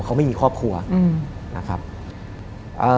และไม่เคยเข้าไปในห้องมิชชาเลยแม้แต่ครั้งเดียว